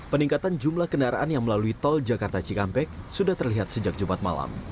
peningkatan jumlah kendaraan yang melalui tol jakarta cikampek sudah terlihat sejak jumat malam